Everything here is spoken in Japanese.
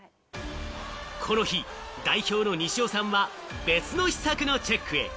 この日、代表の西尾さんは別の試作のチェック。